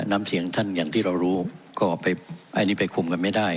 น้ำเสียงท่านอย่างที่เรารู้ก็ไปอันนี้ไปคุมกันไม่ได้